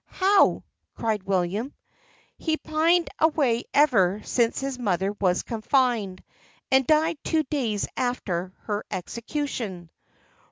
"How!" cried William. "He pined away ever since his mother was confined, and died two days after her execution."